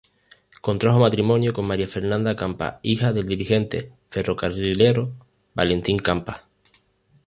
Contrajo matrimonio con María Fernanda Campa, hija del dirigente ferrocarrilero Valentín Campa.